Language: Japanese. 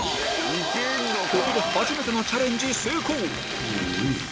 ここで初めてのチャレンジ成功！